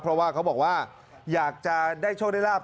เพราะว่าเขาบอกว่าอยากจะได้โชคได้ราบ